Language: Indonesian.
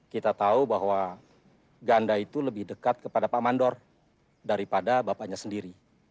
kita tahu bahwa ganda itu lebih dekat kepada pak mandor daripada bapaknya sendiri